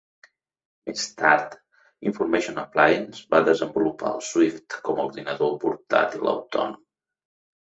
Més tard, Information Appliance va desenvolupar el Swyft com a ordinador portàtil autònom.